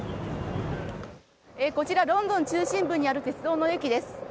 こちらロンドン中心部にある鉄道の駅です。